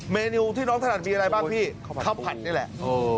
เมนูที่น้องถนัดมีอะไรบ้างพี่ข้าวผัดนี่แหละ